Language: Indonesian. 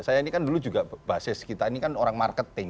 saya ini kan dulu juga basis kita ini kan orang marketing